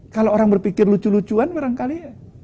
kalau orang berpikir lucu lucuan barangkali ya